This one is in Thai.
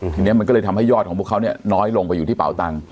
ทีนี้มันทำให้น้อยยอดลงไปที่เป่าตังค์